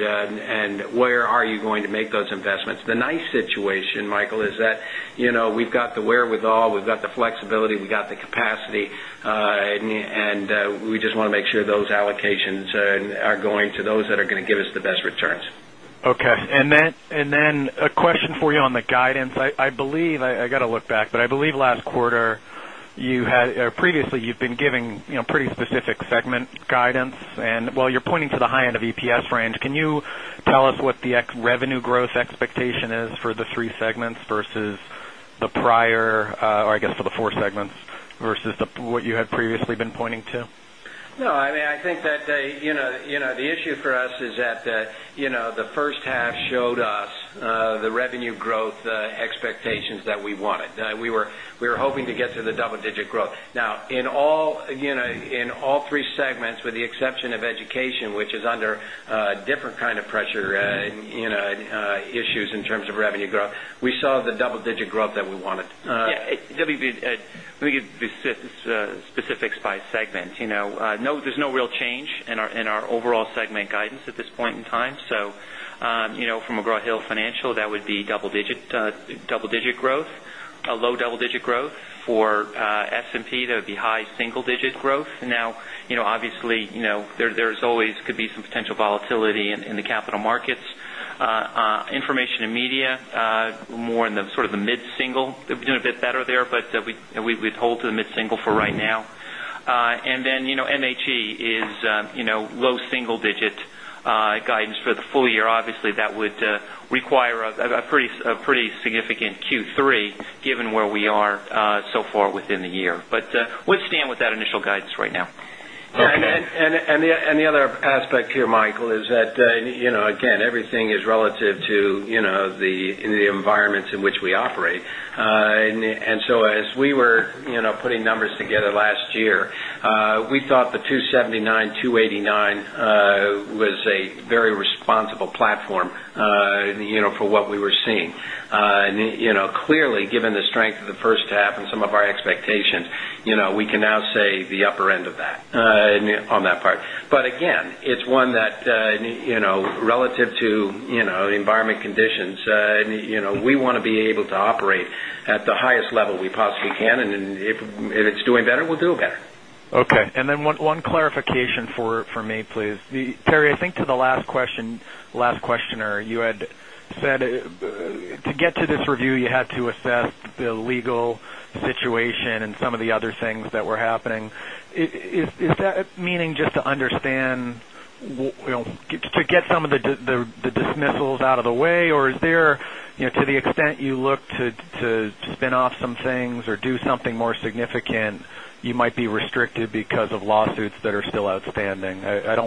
where are you going to make those investments? The nice situation, Michael, is that we've got the wherewithal, we've got the flexibility, we got the capacity, and we just want to make sure those allocations are going to those that are going to give us the best returns. Okay. A question for you on the guidance. I believe, I got to look back, but I believe last quarter previously you've been giving pretty specific segment guidance. While you're pointing to the high end of EPS range, can you tell us what the revenue growth expectation is for the three segments versus the prior, or I guess for the four segments versus what you had previously been pointing to? No, I mean, I think that the issue for us is that the first half showed us the revenue growth expectations that we wanted. We were hoping to get to the double-digit growth. Now, in all three segments, with the exception of education, which is under a different kind of pressure issues in terms of revenue growth, we saw the double-digit growth that we wanted. Let me give you specifics by segment. There's no real change in our overall segment guidance at this point in time. For McGraw Hill Financial, that would be double-digit growth, a low double-digit growth. For S&P, that would be high single-digit growth. Obviously, there always could be some potential volatility in the capital markets. Information and media, more in the sort of the mid-single, they're doing a bit better there, but we would hold to the mid-single for right now. MHE is low single-digit guidance for the full year. Obviously, that would require a pretty significant Q3 given where we are so far within the year. We'll stand with that initial guidance right now. The other aspect here, Michael, is that everything is relative to the environments in which we operate. As we were putting numbers together last year, we thought the $279-$289 was a very responsible platform for what we were seeing. Clearly, given the strength of the first half and some of our expectations, we can now say the upper end of that on that part. It is one that, relative to environment conditions, we want to be able to operate at the highest level we possibly can, and if it's doing better, we'll do better. Okay. One clarification for me, please. Terry, I think to the last question you had said to get to this review, you had to assess the legal situation and some of the other things that were happening. Is that meaning just to understand, to get some of the dismissals out of the way, or is there, to the extent you look to spin off some things or do something more significant, you might be restricted because of lawsuits that are still outstanding? No,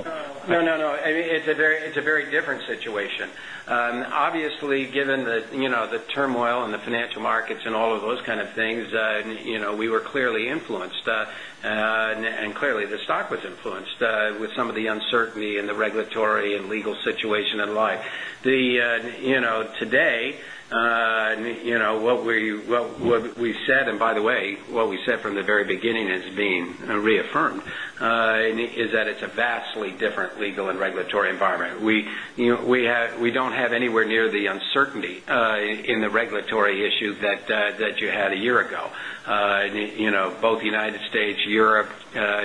no, no. It's a very different situation. Obviously, given the turmoil in the financial markets and all of those kinds of things, we were clearly influenced, and clearly the stock was influenced with some of the uncertainty in the regulatory and legal situation and the like. Today, what we said, and by the way, what we said from the very beginning has been reaffirmed, is that it's a vastly different legal and regulatory environment. We don't have anywhere near the uncertainty in the regulatory issue that you had a year ago. Both the United States, Europe,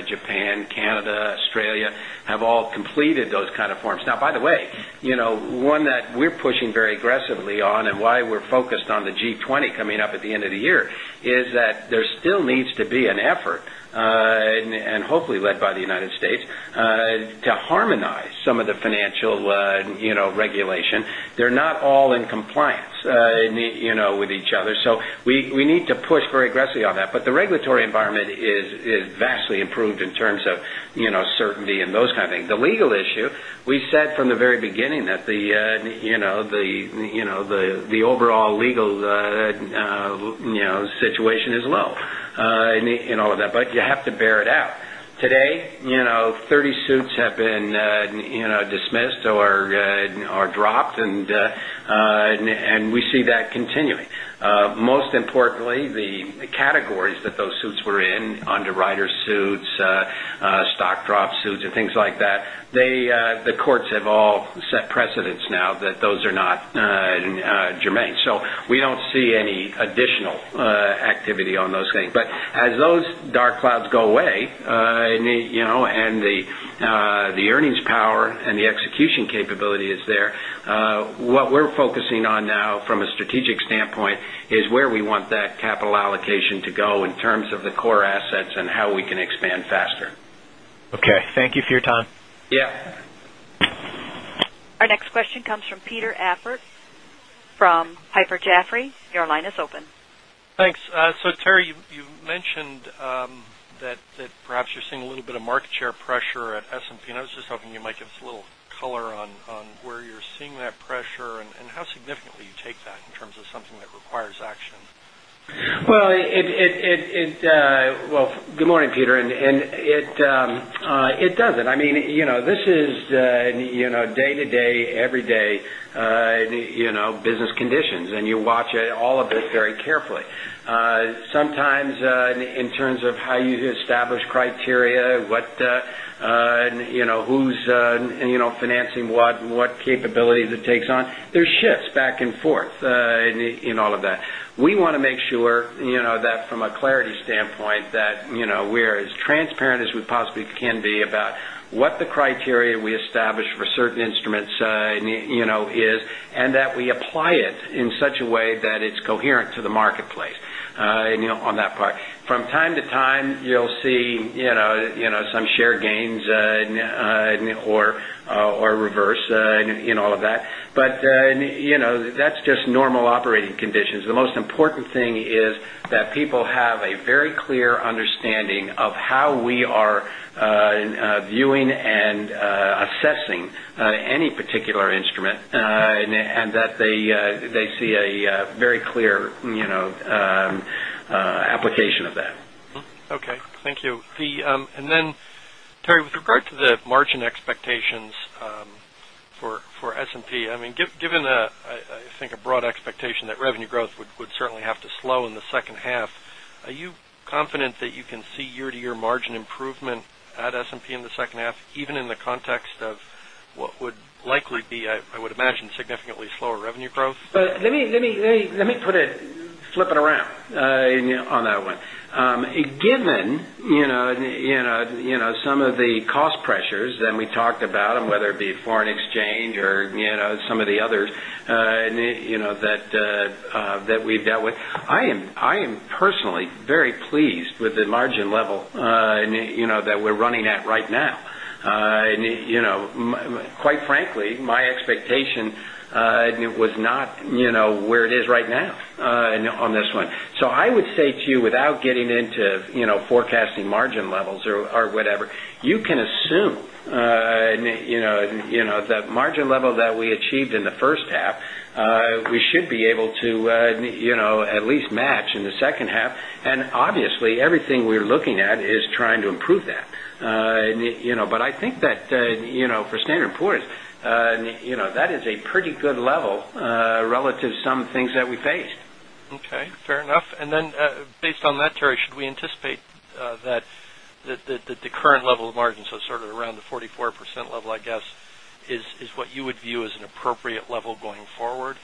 Japan, Canada, Australia have all completed those kinds of forms. By the way, one that we're pushing very aggressively on and why we're focused on the G20 coming up at the end of the year is that there still needs to be an effort, and hopefully led by the United States, to harmonize some of the financial regulation. They're not all in compliance with each other. We need to push very aggressively on that. The regulatory environment is vastly improved in terms of certainty and those kinds of things. The legal issue, we said from the very beginning that the overall legal situation is low in all of that, but you have to bear it out. Today, 30 suits have been dismissed or dropped, and we see that continuing. Most importantly, the categories that those suits were in, underwriter suits, stock drop suits, and things like that, the courts have all set precedents now that those are not germane. We don't see any additional activity on those things. As those dark clouds go away and the earnings power and the execution capability is there, what we're focusing on now from a strategic standpoint is where we want that capital allocation to go in terms of the core assets and how we can expand faster. Okay, thank you for your time. Yeah. Our next question comes from Peter Appert from Piper Jaffray. Your line is open. Thanks. Terry, you mentioned that perhaps you're seeing a little bit of market share pressure at S&P. I was just hoping you might give us a little color on where you're seeing that pressure and how significantly you take that in terms of something that requires action. Good morning, Peter. This is the day-to-day, everyday business conditions, and you watch all of this very carefully. Sometimes in terms of how you establish criteria, who's financing what and what capabilities it takes on, there's shifts back and forth in all of that. We want to make sure that from a clarity standpoint we are as transparent as we possibly can be about what the criteria we establish for certain instruments is and that we apply it in such a way that it's coherent to the marketplace on that part. From time to time, you'll see some share gains or reverse in all of that. That's just normal operating conditions. The most important thing is that people have a very clear understanding of how we are viewing and assessing any particular instrument and that they see a very clear application of that. Thank you. Terry, with regard to the margin expectations for S&P, given I think a broad expectation that revenue growth would certainly have to slow in the second half, are you confident that you can see year-to-year margin improvement at S&P in the second half, even in the context of what would likely be, I would imagine, significantly slower revenue growth? Let me put it, flip it around on that one. Given some of the cost pressures that we talked about, whether it be foreign exchange or some of the others that we've dealt with, I am personally very pleased with the margin level that we're running at right now. Quite frankly, my expectation was not where it is right now on this one. I would say to you, without getting into forecasting margin levels or whatever, you can assume that margin level that we achieved in the first half, we should be able to at least match in the second half. Obviously, everything we're looking at is trying to improve that. I think that for Standard & Poor's, that is a pretty good level relative to some things that we faced. Okay. Fair enough. Based on that, Terry, should we anticipate that the current level of margins, so sort of around the 44% level, is what you would view as an appropriate level going forward?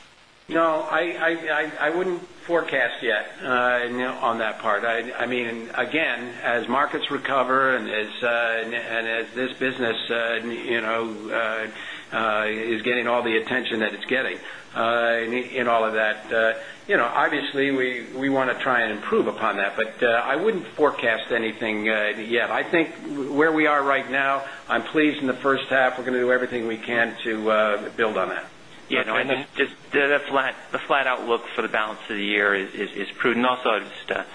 No, I wouldn't forecast yet on that part. I mean, again, as markets recover and as this business is getting all the attention that it's getting in all of that, obviously, we want to try and improve upon that. I wouldn't forecast anything yet. I think where we are right now, I'm pleased in the first half. We're going to do everything we can to build on that. The flat outlook for the balance of the year is prudent. Also, even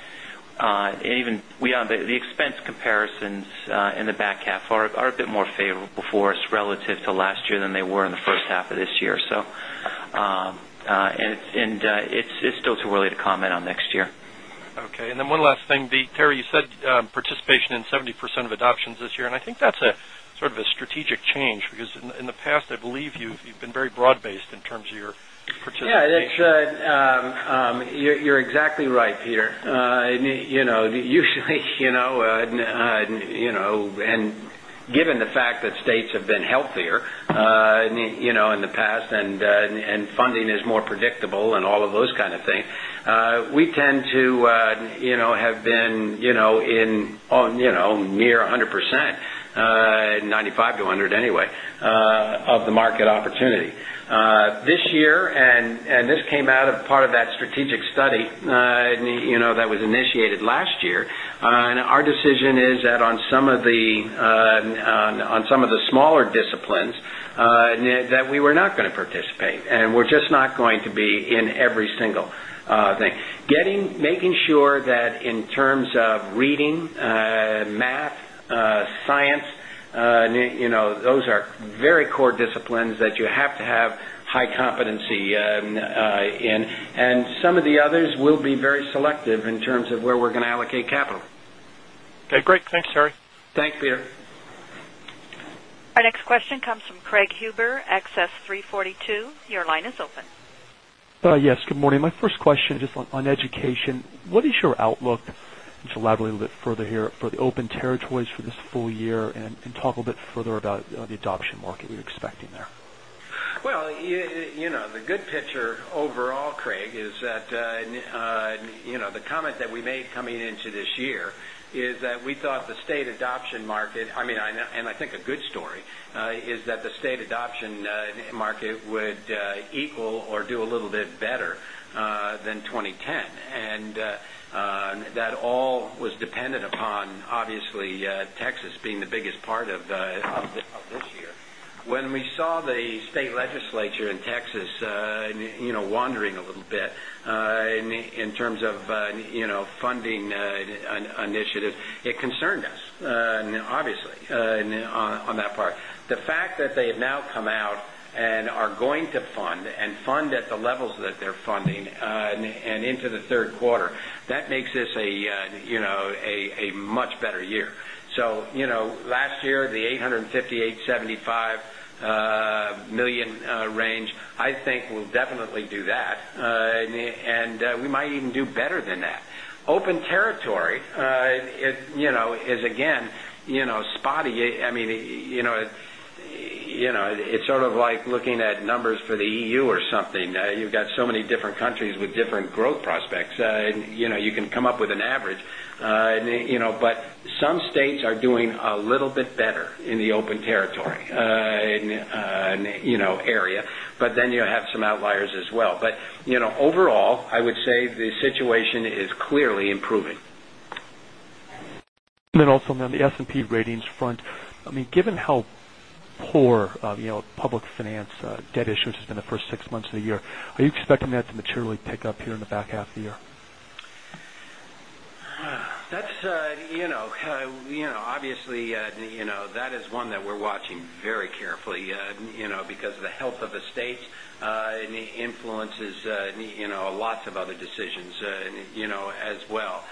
the expense comparisons in the back half are a bit more favorable for us relative to last year than they were in the first half of this year. It's still too early to comment on next year. Okay. One last thing, Terry, you said participation in 70% of adoptions this year, and I think that's sort of a strategic change because in the past, I believe you've been very broad-based in terms of your participation. Yeah. You're exactly right, Peter. Usually, given the fact that states have been healthier in the past and funding is more predictable and all of those kinds of things, we tend to have been near 100%, 95% to 100% anyway, of the market opportunity. This year, and this came out of part of that strategic study that was initiated last year, our decision is that on some of the smaller disciplines that we were not going to participate, and we're just not going to be in every single thing. Making sure that in terms of reading, math, science, those are very core disciplines that you have to have high competency in, and some of the others we'll be very selective in terms of where we're going to allocate capital. Okay. Great. Thanks, Terry. Thanks, Peter. Our next question comes from Craig Huber, Access 342. Your line is open. Yes. Good morning. My first question is just on education. What is your outlook, just elaborate a little bit further here, for the open territories for this full year, and talk a little bit further about the adoption market you're expecting there? The good picture overall, Craig, is that the comment that we made coming into this year is that we thought the state adoption market, I mean, and I think a good story, is that the state adoption market would equal or do a little bit better than 2010 and that all was dependent upon, obviously, Texas being the biggest part of this year. When we saw the state legislature in Texas wandering a little bit in terms of funding initiatives, it concerned us, obviously on that part. The fact that they have now come out and are going to fund and fund at the levels that they're funding and into the third quarter, that makes this a much better year. Last year, the $858.75 million range, I think we'll definitely do that, and we might even do better than that. Open territory is, again, spotty. It's sort of like looking at numbers for the EU or something. You've got so many different countries with different growth prospects, and you can come up with an average. Some states are doing a little bit better in the open territory area, but then you have some outliers as well. Overall, I would say the situation is clearly improving. On the S&P Ratings front, given how poor public finance debt issues have been the first six months of the year, are you expecting that to materially pick up here in the back half of the year? Obviously, that is one that we're watching very carefully because of the health of the states and influences lots of other decisions as well.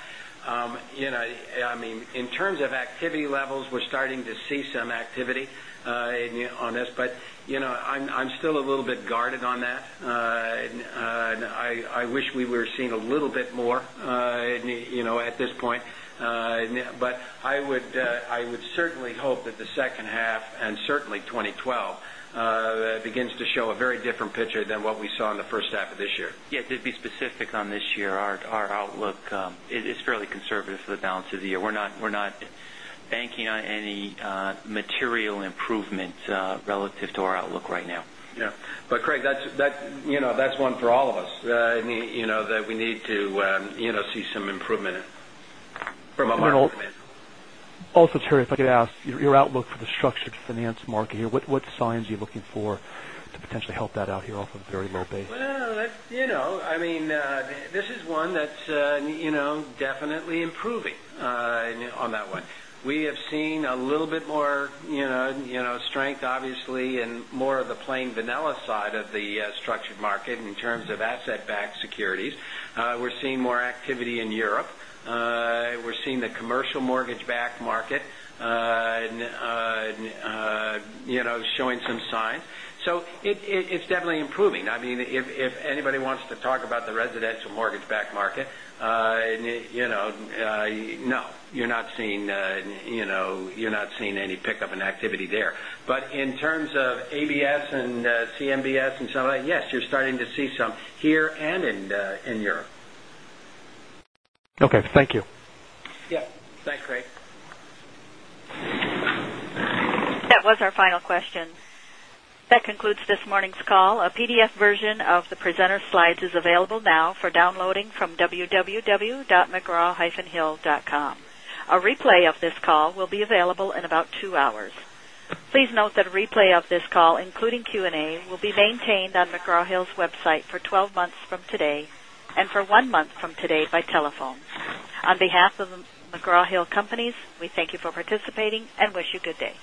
In terms of activity levels, we're starting to see some activity on this, but I'm still a little bit guarded on that. I wish we were seeing a little bit more at this point. I would certainly hope that the second half and certainly 2012 begins to show a very different picture than what we saw in the first half of this year. Yeah. To be specific on this year, our outlook is fairly conservative for the balance of the year. We're not banking on any material improvement relative to our outlook right now. Yeah, Craig, that's one for all of us that we need to see some improvement in. Also, Terry, if I could ask, your outlook for the structured finance market here, what signs are you looking for to potentially help that out here off of a very low base? This is one that's definitely improving on that one. We have seen a little bit more strength, obviously, in more of the plain vanilla side of the structured market in terms of asset-backed securities. We're seeing more activity in Europe, and we're seeing the commercial mortgage-backed market showing some signs. It's definitely improving. If anybody wants to talk about the residential mortgage-backed market, no, you're not seeing any pickup in activity there. In terms of ABS and CMBS and some of that, yes, you're starting to see some here and in Europe. Okay, thank you. Yeah. Thanks, Craig. That was our final question. That concludes this morning's call. A PDF version of the presenter slides is available now for downloading from www.mcgraw-hill.com. A replay of this call will be available in about two hours. Please note that a replay of this call, including Q&A, will be maintained on McGraw Hill's website for 12 months from today and for one month from today by telephone. On behalf of McGraw Hill Companies, we thank you for participating and wish you a good day.